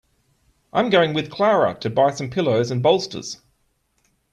I'm going with Clara to buy some pillows and bolsters.